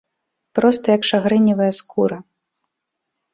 Проста як шагрэневая скура.